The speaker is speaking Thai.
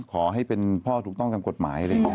ขอให้เป็นพ่อถูกต้องตามกฎหมายอะไรอย่างนี้